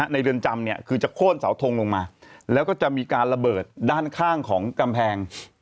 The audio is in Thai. เรือนจำเนี่ยคือจะโค้นเสาทงลงมาแล้วก็จะมีการระเบิดด้านข้างของกำแพง